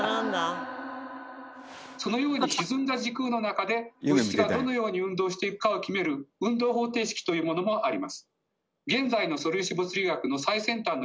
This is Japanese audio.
そのようにひずんだ時空の中で物質がどのように運動していくかを決める運動方程式というものがあります。